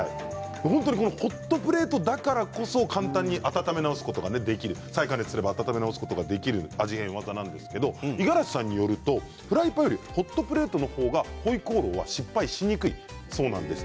ホットプレートだからこそ簡単に温め直すことができる味変技なんですけれども五十嵐さんによるとフライパンよりホットプレートの方がホイコーローは失敗しにくいそうなんです。